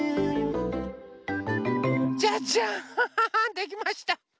じゃじゃんできました！